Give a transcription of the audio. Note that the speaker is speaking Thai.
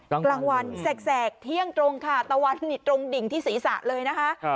กลางวันแสกเที่ยงตรงค่ะตะวันนี่ตรงดิ่งที่ศีรษะเลยนะคะ